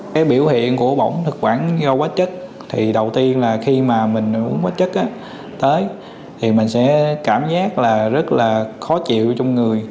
cái biểu hiện của bỏng thực quản vô quá chất thì đầu tiên là khi mà mình uống hóa chất tới thì mình sẽ cảm giác là rất là khó chịu trong người